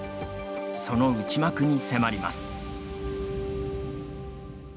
その内幕に迫ります。